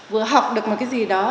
vừa học được một cái gì đó